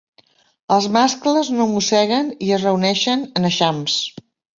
Els mascles no mosseguen i es reuneixen en eixams.